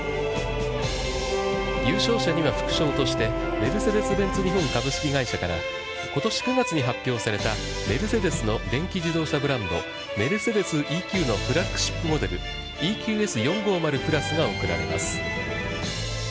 優勝者には副賞として、メルセデス・ベンツ日本株式会社から、ことし９月に発表されたメルセデスの電気自動車ブランド「Ｍｅｒｃｅｄｅｓ−ＥＱ」のフラッグシップモデル「ＥＱＳ４５０＋」が贈られます。